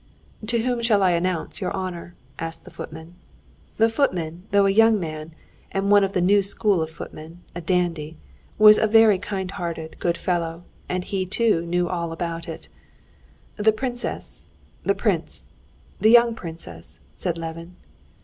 "To whom shall I announce your honor?" asked the footman. The footman, though a young man, and one of the new school of footmen, a dandy, was a very kind hearted, good fellow, and he too knew all about it. "The princess ... the prince ... the young princess...." said Levin.